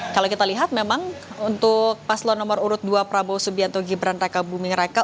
kalau kita lihat memang untuk paslon nomor urut dua prabowo subianto gibran raka buming raka